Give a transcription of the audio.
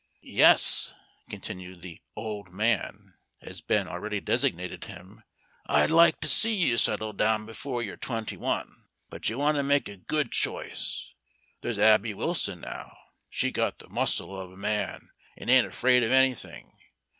"Yes," continued the "old man," as Ben already designated him, "I'd like to see you settle down before you're twenty one. But you want to make a good choice. There's Abby Wilson, now. She's got the muscle of a man, and ain't afraid of anything.